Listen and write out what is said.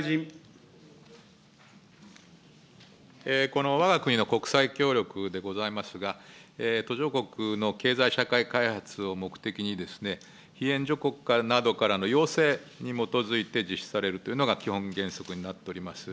このわが国の国際協力でございますが、途上国の経済社会開発を目的に、被援助国などからの要請に基づいて実施されるというのが基本原則になっております。